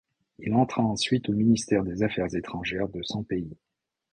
Il entra ensuite au ministère des affaires étrangères de son pays.